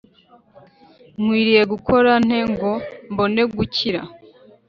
nkwiriye gukora nte, ngo mbone gukira?